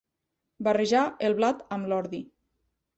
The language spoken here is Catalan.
Barrejar el blat amb l'ordi.